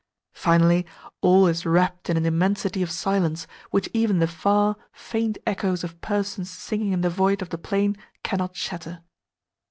Finally, all is wrapped in an immensity of silence which even the far, faint echoes of persons singing in the void of the plain cannot shatter.